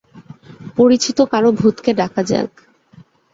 পরিচিত কারো ভূতকে ডাকা যাক।